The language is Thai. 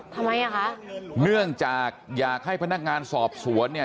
ทำไมอ่ะคะเนื่องจากอยากให้พนักงานสอบสวนเนี่ย